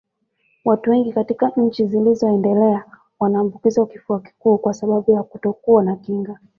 Watu wengi katika nchi zilizoendelea wanaambukizwa kifua kikuu kwa sababu ya kutokuwa na kinga